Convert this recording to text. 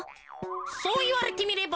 そういわれてみれば。